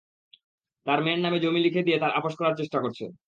তাঁর মেয়ের নামে জমি লিখে দিয়ে তারা আপস করার চেষ্টা করছে।